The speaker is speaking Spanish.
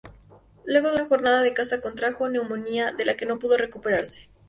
Luego de una jornada de caza, contrajo neumonía de la que no pudo recuperarse.